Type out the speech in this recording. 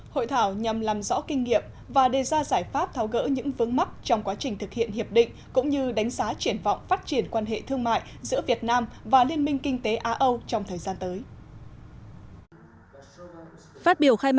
hội thảo nhằm làm rõ kinh nghiệm và đề ra giải pháp tháo gỡ những vướng mắc trong quá trình thực hiện hiệp định cũng như đánh giá triển vọng phát triển quan hệ thương mại giữa việt nam và liên minh kinh tế á âu trong thời gian tới